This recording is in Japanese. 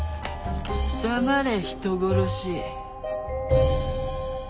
黙れ人殺し。